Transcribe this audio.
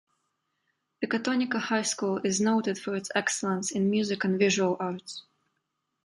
Pecatonica High School is noted for its excellence in music and visual arts.